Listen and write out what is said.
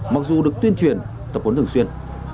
mặc dù được tuyên truyền tập huấn thường xuyên